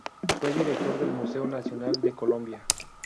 Fue Director del Museo Nacional de Colombia.